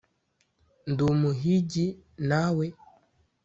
"ndi umuhigi, nawe?"